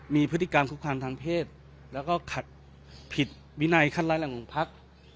มีพฤติกรรมคุกคามทางเพศแล้วก็ขัดผิดวินัยขั้นร้ายแรงของพัก